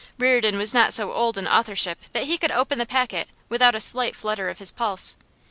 Reardon was not so old in authorship that he could open the packet without a slight flutter of his pulse.